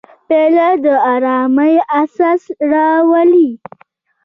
پیاله د ارامۍ احساس راولي.